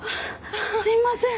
すいません。